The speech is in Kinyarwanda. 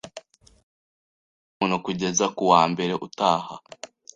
Reka tubwire umuntu kugeza kuwa mbere utaha.